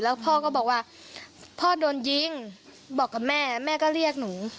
แล้วพ่อก็บอกว่าพ่อโดนยิงบอกกับแม่แม่ก็เรียกหนู